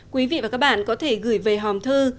quý vị và các bạn có thể gửi về hòm thư